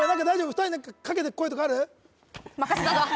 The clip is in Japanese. ２人に何かかけてく声とかある？